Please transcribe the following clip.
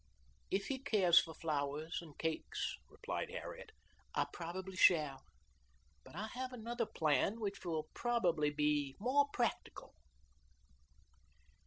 "If he cares for flowers and cakes," replied Harriet, "I probably shall; but I have another plan which will probably be more practical."